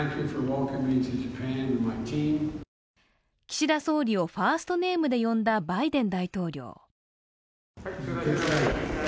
岸田総理をファーストネームで呼んだバイデン大統領。